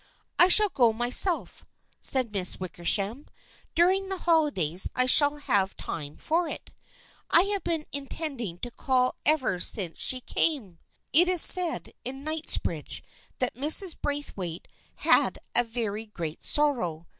" I shall go myself," said Miss Wickersham. " During the holidays I shall have time for it. I have been intending to call ever since she came. It is said in Kingsbridge that Mrs. Braithwaite had a very great sorrow.